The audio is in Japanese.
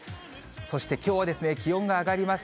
そしてきょうはですね、気温が上がります。